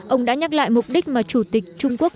ông đã nhắc lại mục đích mà chủ tịch trung quốc